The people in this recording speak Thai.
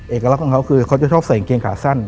เอกลักษณ์ของเขาคือเขาจะชอบใส่กางเกงขาสั้น